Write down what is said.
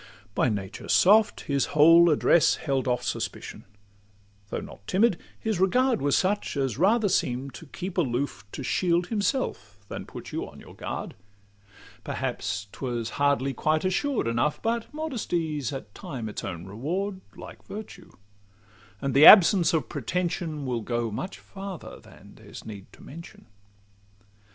By nature soft, his whole address held off Suspicion: though not timid, his regard Was such as rather seem'd to keep aloof, To shield himself than put you on your guard: Perhaps 'twas hardly quite assured enough, But modesty 's at times its own reward, Like virtue; and the absence of pretension Will go much farther than there's need to mention.